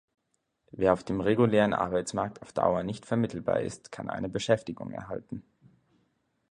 Wer auf dem regulären Arbeitsmarkt auf Dauer nicht vermittelbar ist, kann eine Beschäftigung erhalten.